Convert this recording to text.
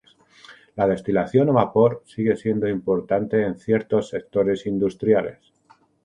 La destilación a vapor sigue siendo importante en ciertos sectores industriales.